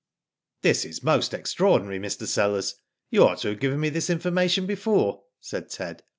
"This is most extraordinary, Mr. Sellers. You ought to have given me this information before." said Ted.